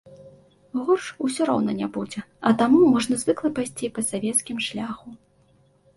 Горш усё роўна не будзе, а таму можна звыкла пайсці па савецкім шляху.